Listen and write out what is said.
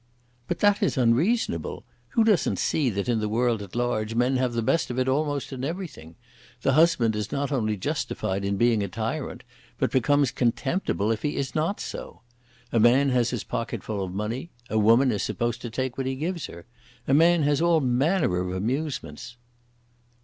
"But that is unreasonable. Who doesn't see that in the world at large men have the best of it almost in everything. The husband is not only justified in being a tyrant, but becomes contemptible if he is not so. A man has his pocket full of money; a woman is supposed to take what he gives her. A man has all manner of amusements."